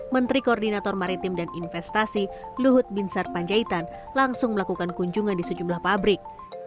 menteri koordinator maritim dan investasi luhut binsar panjaitan langsung melakukan kunjungan di sejumlah pabrik